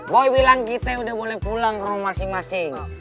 boy bilang kita udah boleh pulang ke rumah masing masing